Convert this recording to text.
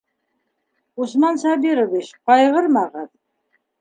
Усман Сабирович, ҡайғырмағыҙ!